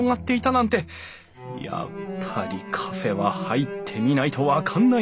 やっぱりカフェは入ってみないと分かんないねえ！